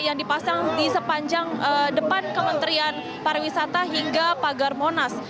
di mana ada pagar berduri yang dipasang di sepanjang depan kementerian pariwisata hingga pagar monas